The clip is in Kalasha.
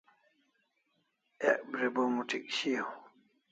Ek bribo moth'ik shiau